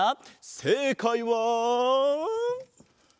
せいかいは。